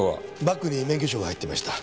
バッグに免許証が入っていました。